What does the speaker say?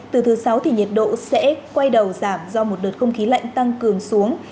từ thứ sáu thì nhiệt độ sẽ quay đầu giảm do một đợt không khí lạnh tăng cường xuống